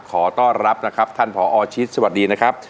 ขอต้อนรับนะครับท่านผอชิดสวัสดีนะครับ